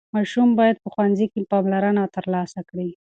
ماشوم باید په ښوونځي کې پاملرنه ترلاسه کړي.